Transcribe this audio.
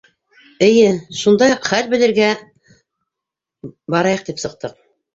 — Эйе, шунда хәл белергә барайыҡ тип сыҡтыҡ.